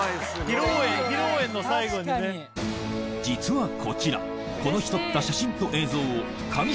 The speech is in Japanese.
実はこちらこの日撮った写真と映像を